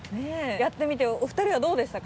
やってみてお二人はどうでしたか？